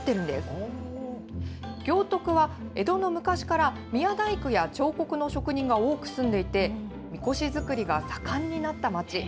行徳は、江戸の昔から宮大工や彫刻の職人が多く住んでいて、みこし作りが盛んになった町。